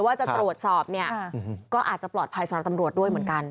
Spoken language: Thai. ว่าจะตรวจสอบเนี่ยก็อาจจะปลอดภัยสำหรับตำรวจด้วยเหมือนกัน